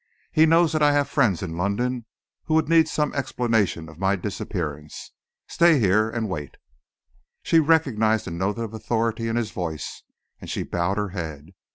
He knows that I have friends in London who would need some explanation of my disappearance. Stay here and wait." She recognised the note of authority in his tone, and she bowed her head.